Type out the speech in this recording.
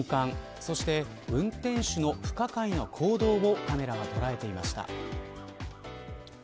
そして、運転手の不可解な行動をカメラが捉えていました。